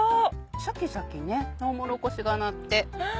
シャキシャキねとうもろこしがなって。